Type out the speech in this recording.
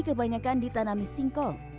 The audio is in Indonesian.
kebanyakan ditanami singkong